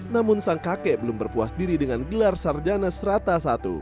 namun sang kakek belum berpuas diri dengan gelar sarjana serata satu